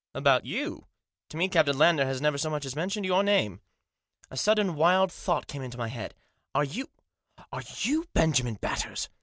u About you ? To me Captain Lander has never so much as mentioned your name." A sudden wild thought came into my head. " Are you — are you Benjamin Batters